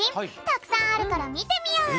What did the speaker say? たくさんあるから見てみよう！